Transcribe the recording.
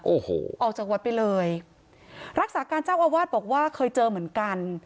โอ้โหออกจากวัดไปเลยรักษาการเจ้าอาวาสบอกว่าเคยเจอเหมือนกัน